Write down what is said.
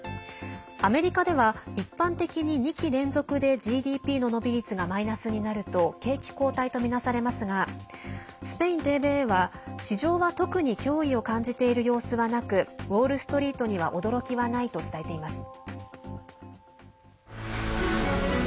アメリカでは一般的に２期連続でＧＤＰの伸び率がマイナスになると景気後退とみなされますがスペインＴＶＥは市場は特に脅威を感じている様子はなくウォールストリートには驚きはないと伝えています。